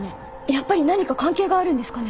やっぱり何か関係があるんですかね？